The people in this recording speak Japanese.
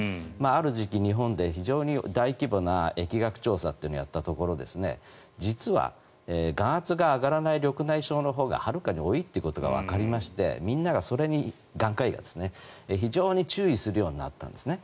ある時期、日本で非常に大規模な疫学調査をやったところ実は眼圧が上がらない緑内障のほうがはるかに多いということがわかりまして眼科医みんなが、それに非常に注意するようになったんですね。